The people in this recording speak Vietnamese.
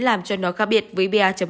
làm cho nó khác biệt với pa một